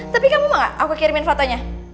tapi kamu gak aku kirimin fotonya